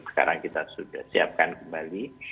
sekarang kita sudah siapkan kembali